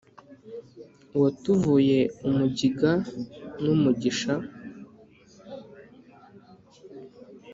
uwatuvuye umugiga n'umugisha